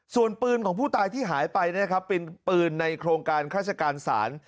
ส่วนปืนของผู้ตายที่หายไปนะครับเป็นปืนในโครงการข้าราชการศาล